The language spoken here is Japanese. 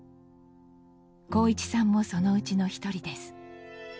航一さんもそのうちの一人です。